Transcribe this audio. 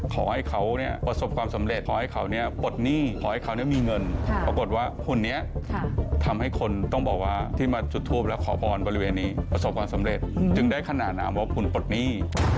ขอให้เขาเนี่ยประสบความสำเร็จขอให้เขาเนี่ยปลดหนี้ขอให้เขามีเงินปรากฏว่าหุ่นนี้ทำให้คนต้องบอกว่าที่มาจุดทูปและขอพรบริเวณนี้ประสบความสำเร็จจึงได้ขนาดนามว่าคุณปลดหนี้